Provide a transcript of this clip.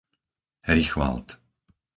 Richvald